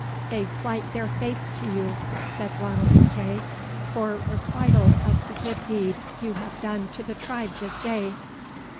"They plight their faith to you," said Ranald MacEagh, "for requital of the good deed you have done to the tribe this day."